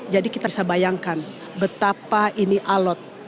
jadi kita bisa bayangkan betapa ini alot